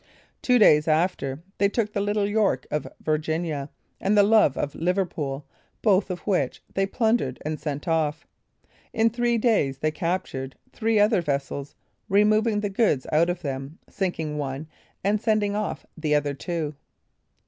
Two days after, they took the Little York of Virginia, and the Love of Liverpool, both of which they plundered and sent off. In three days they captured three other vessels, removing the goods out of them, sinking one, and sending off the other two.